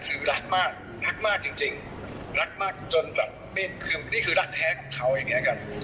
คือรักมากรักมากจริงรักมากจนแบบคือนี่คือรักแท้ของเขาอย่างนี้ครับ